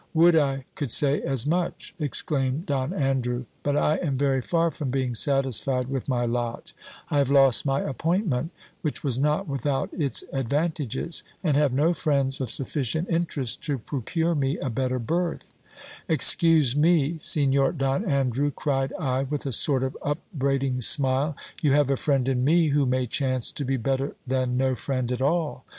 Would I could say as much ! ex claimed Don Andrew : but I am very far from being satisfied with my lot ; I have lost my appointment, which was not without its advantages, and have no friends of sufficient interest to procure me a better berth Excuse me, Signor Don Andrew, cried I, with a sort of upbraiding smile, you have a friend in me who may chance to be better than no friend at all.